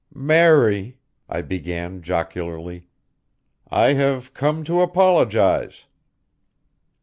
"Mary," I began jocularly, "I have come to apologize."